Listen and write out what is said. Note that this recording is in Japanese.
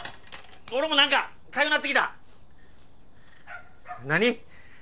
俺も何かかゆなってきた何？